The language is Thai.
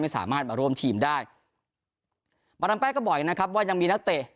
สามารถมาร่วมทีมได้มาดามแป้งก็บอกอีกนะครับว่ายังมีนักเตะ